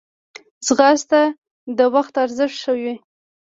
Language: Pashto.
ځغاسته د وخت ارزښت ښووي